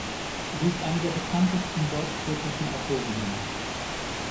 Sie ist eine der bekanntesten deutschtürkischen Autorinnen.